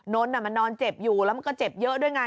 นนนอ่ะเนี่ยมันนอนเจ็บอยู่ก็เจ็บเยอะด้วยไง